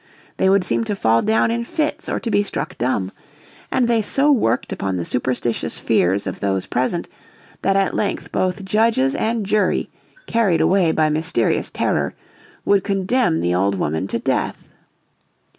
They would seem to fall down in fits or to be struck dumb. And they so worked upon the superstitious fears of those present that at length both judges and jury, carried away by mysterious terror, would condemn the old woman to death.